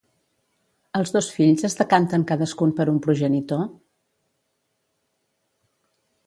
Els dos fills es decanten cadascun per un progenitor?